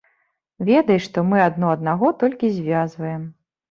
Ведай, што мы адно аднаго толькі звязваем.